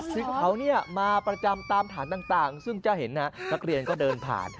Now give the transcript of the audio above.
ซึ่งเขามาประจำตามฐานต่างซึ่งจะเห็นนักเรียนก็เดินผ่าน